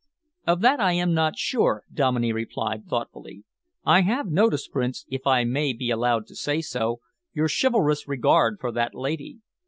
"Of that I am not sure," Dominey replied thoughtfully. "I have noticed, Prince, if I may be allowed to say so, your chivalrous regard for that lady.